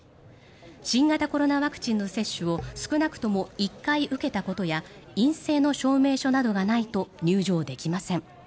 新型コロナワクチンの接種を少なくとも１回受けたことや陰性の証明書などがないと入場できません。